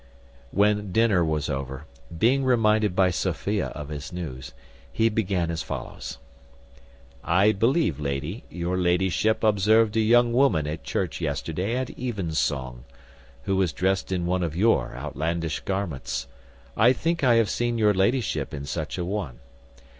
When dinner was over, being reminded by Sophia of his news, he began as follows: "I believe, lady, your ladyship observed a young woman at church yesterday at even song, who was drest in one of your outlandish garments; I think I have seen your ladyship in such a one.